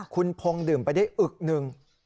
คุณพงศ์ดื่มไปได้อึกหนึ่ง